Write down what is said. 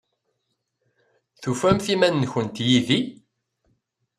Tufamt iman-nkent yid-i?